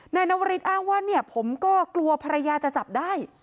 นายนวริสอ้างว่าเนี่ยผมก็กลัวภรรยาจะจับได้